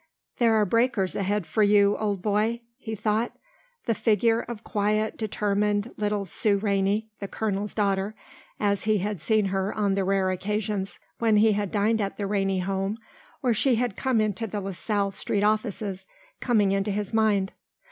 "There are breakers ahead for you, old boy," he thought, the figure of quiet, determined, little Sue Rainey, the colonel's daughter, as he had seen her on the rare occasions when he had dined at the Rainey home or she had come into the LaSalle Street offices, coming into his mind.